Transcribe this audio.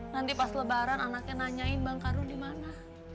nanti pas lebaran anaknya nanyain bang karu di mana